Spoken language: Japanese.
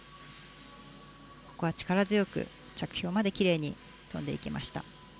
力強く、着氷まできれいに跳んでいきました。